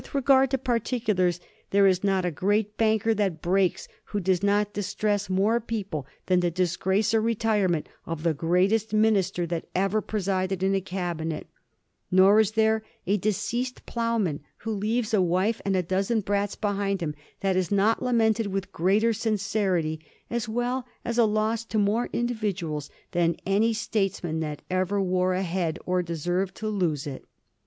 regard to particulars, there is not a great banker that breaks who does not distress more people than the dis grace or retirement of the greatest minister that ever pre sided in a Cabinet; nor is there a deceased ploughman who leaves a wife and a dozen brats behind him that is not lamented with greater sincerity, as well as a loss to more individuals, than any statesman that ever wore a head or deserved to lose it."